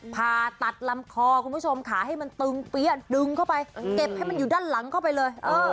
ผ่าตัดลำคอคุณผู้ชมขาให้มันตึงเปี้ยนดึงเข้าไปเก็บให้มันอยู่ด้านหลังเข้าไปเลย